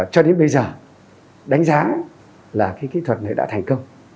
cho đến bây giờ đánh giá là cái kỹ thuật này đã thành công